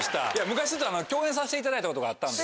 昔共演させていただいたことがあったんで。